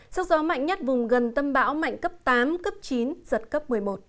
sức gió mạnh nhất vùng gần tâm bão mạnh cấp tám cấp chín giật cấp một mươi một